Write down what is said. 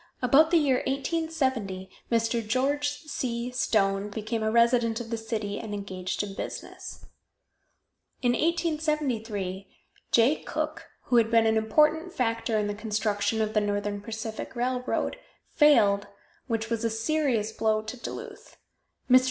About the year 1870 Mr. George C. Stone became a resident of the city, and engaged in business. In 1873 Jay Cooke, who had been an important factor in the construction of the Northern Pacific Railroad, failed, which was a serious blow to Duluth. Mr.